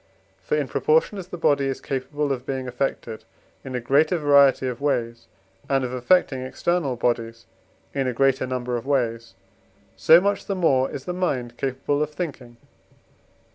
For, in proportion as the body is capable of being affected in a greater variety of ways, and of affecting external bodies in a great number of ways, so much the more is the mind capable of thinking (IV.